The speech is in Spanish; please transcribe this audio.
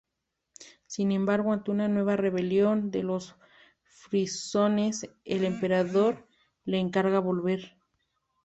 Sin embargo, ante una nueva rebelión de los frisones, el Emperador le encarga volver.